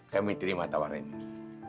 kami terima tawaran ini